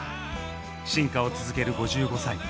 進化を続ける５５歳。